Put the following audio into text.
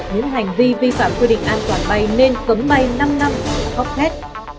những hành vi vi phạm quy định an toàn bay nên cấm bay năm năm là khóc hết